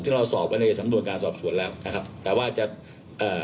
ซึ่งเราสอบไปในสำนวนการสอบสวนแล้วนะครับแต่ว่าจะเอ่อ